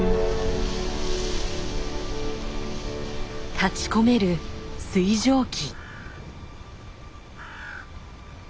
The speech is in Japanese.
立ち込める水蒸気。